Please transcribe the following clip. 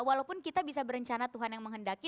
walaupun kita bisa berencana tuhan yang menghendaki